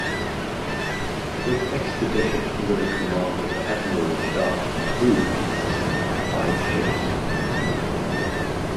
This expedition, under the command of Admiral Jacques Mahu, consisted of five ships.